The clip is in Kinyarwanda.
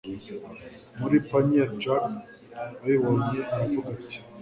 muri panierjack abibonye aravuga ati